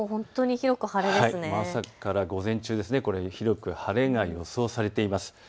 朝から午前中、広く晴れが予想されています。